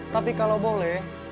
tapi kalau boleh